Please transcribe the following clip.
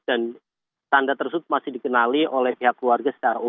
dan tanda tersud masih dikenali oleh pihak keluarga setelah itu